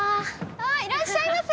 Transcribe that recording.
あぁいらっしゃいませ！